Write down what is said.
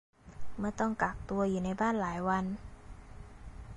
เมื่อต้องกักตัวอยู่ในบ้านหลายวัน